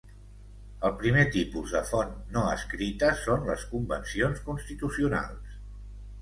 El primer tipus de font no escrita són les convencions constitucionals.